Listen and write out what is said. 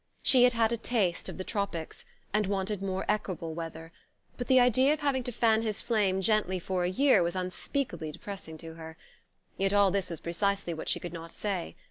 She had had a taste of the tropics, and wanted more equable weather; but the idea of having to fan his flame gently for a year was unspeakably depressing to her. Yet all this was precisely what she could not say.